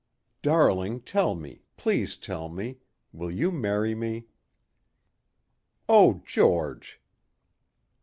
"Darling, tell me ... please tell me will you marry me?" "Oh George!"